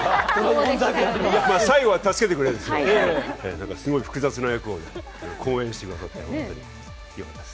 最後は助けてくれるんですけどすごい複雑な役を好演してくださって、よかったです。